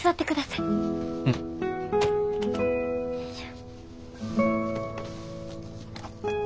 いや。